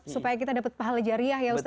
supaya kita dapat pahala jariah ya ustaz ya